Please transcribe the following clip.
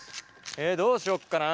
えどうしよっかな。